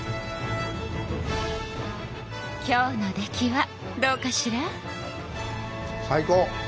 今日の出来はどうかしら？